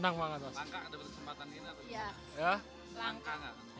langka ada kesempatan ini